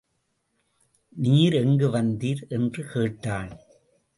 நீர் எங்கு வந்தீர்? என்று கேட்டான்.